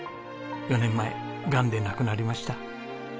４年前がんで亡くなりました。